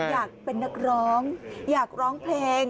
อยากเป็นนักร้องอยากร้องเพลง